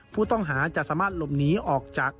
ผู้ต้องหาจะสามารถหลบหนีออกจาก